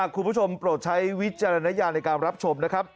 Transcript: โปรดใช้วิจารณญาณในการรับชมนะครับ